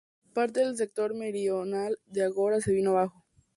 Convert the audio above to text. Parte del sector meridional del ágora se vino abajo.